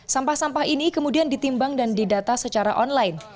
sampah sampah ini kemudian ditimbang dan didata secara online